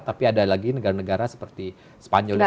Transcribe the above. tapi ada lagi negara negara seperti spanyol dan lain